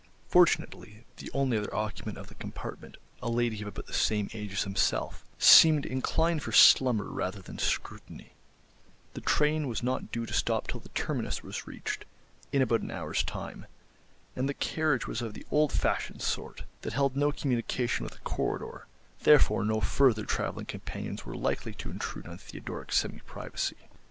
Fortunately the only other occupant of the compartment, a lady of about the same age as himself, seemed inclined for slumber rather than scrutiny; the train was not due to stop till the terminus was reached, in about an hour's time, and the carriage was of the old fashioned sort, that held no communication with a corridor, therefore no further travelling companions were likely to intrude on Theodoric's semi privacy.